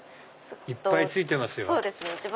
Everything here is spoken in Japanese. いっぱい付いてますよ。